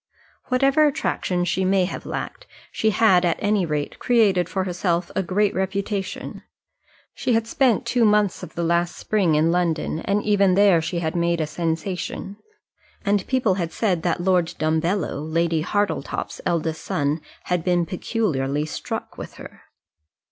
Whatever attractions she may have lacked, she had at any rate created for herself a great reputation. She had spent two months of the last spring in London, and even there she had made a sensation; and people had said that Lord Dumbello, Lady Hartletop's eldest son, had been peculiarly struck with her.